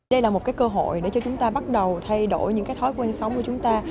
đây là một cái cơ hội để cho chúng ta bắt đầu thay đổi những cái thói quen sống của chúng ta